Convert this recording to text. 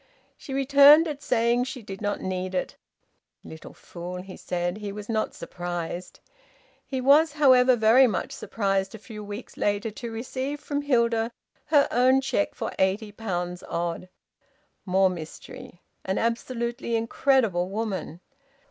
She returned it, saying she did not need it. "Little fool!" he said. He was not surprised. He was, however, very much surprised, a few weeks later, to receive from Hilda her own cheque for eighty pounds odd! More mystery! An absolutely incredible woman!